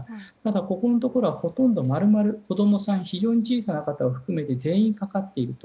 ここのところは丸々、子供さん非常に小さな方を含めて全員かかっていると。